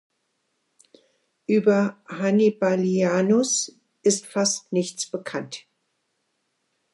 Über Hannibalianus ist fast nichts bekannt.